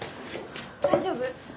大丈夫！？